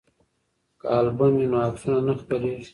که البوم وي نو عکسونه نه خپریږي.